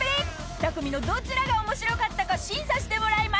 ２組のどちらが面白かったか審査してもらいます。